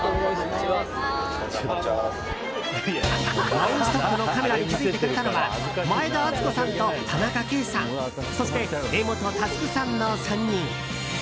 「ノンストップ！」のカメラに気づいてくれたのは前田敦子さんと田中圭さんそして柄本佑さんの３人。